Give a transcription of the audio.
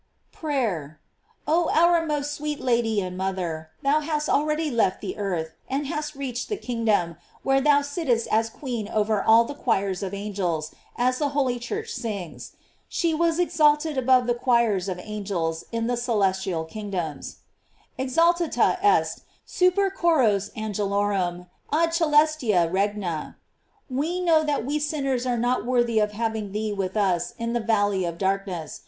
PKAYEB. Oh, our most sweet Lady and Mother, thou hast already left the earth, and hast reached the kingdom, where thou sit test as queen over all the choirs of angels, as the holy Church sings: She was exalted about the choirs of angels in the celestial kingdoms : "Exaltata est super chores angelorum ad crelestia rcgna." We know that we sinners are not worthy of having thee with us in the valley of darkness.